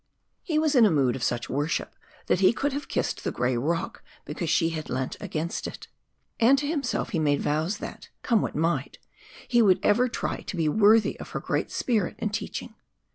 He was in a mood of such worship that he could have kissed the grey rock because she had leant against it. And to himself he made vows that, come what might, he would ever try to be worthy of her great spirit and teaching.